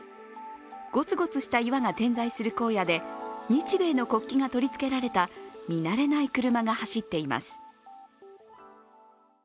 ゴツゴツした岩が点在する荒野で日米の国旗が取り付けられた見慣れない車が走っています。